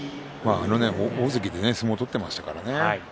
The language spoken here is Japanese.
大関で相撲を取っていましたからね。